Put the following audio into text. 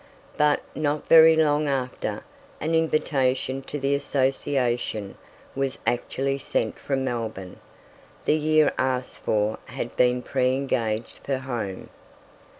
But, not very long after, an invitation to the Association was actually sent from Melbourne. The year asked for had been pre engaged for Home.